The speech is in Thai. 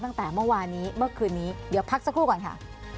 ตั้งแต่เมื่อวานนี้เมื่อคืนนี้เดี๋ยวพักสักครู่ก่อนค่ะ